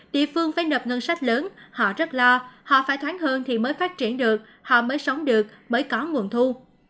địa phương phải nộp ngân sách lớn họ rất lo họ phải thoáng hơn thì mới phát triển được họ mới sống được mới có nguồn thu